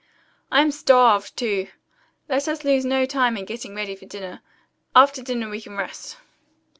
"I am starved, too. Let us lose no time in getting ready for dinner. After dinner we can rest."